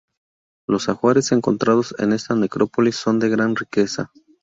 Los ajuares encontrados en esta necrópolis son de gran riqueza.